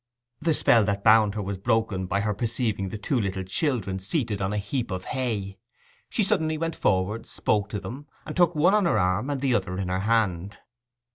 The spell that bound her was broken by her perceiving the two little children seated on a heap of hay. She suddenly went forward, spoke to them, and took one on her arm and the other in her hand.